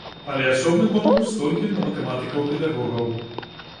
Але асобны конкурс толькі на матэматыкаў-педагогаў.